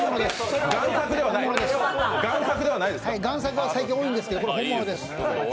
がん作は最近多いんですけど、これ本物です。